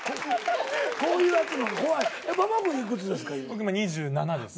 僕今２７です。